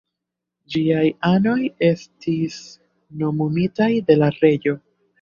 Ĝiaj anoj estis nomumitaj de la reĝo.